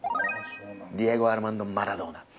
ディエゴ・アルマンド・マラドーナ。